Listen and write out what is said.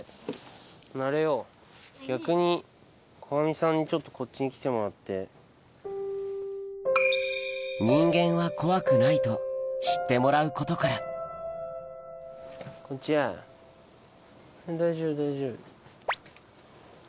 逆に大網さんにちょっとこっちに来てもらって。と知ってもらうことからこんにちは大丈夫大丈夫。